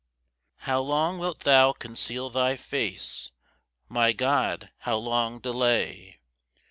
1 How long wilt thou conceal thy face? My God, how long delay?